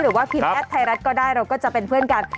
หรือว่าพิมพ์แอดไทยรัฐก็ได้เราก็จะเป็นเพื่อนกัน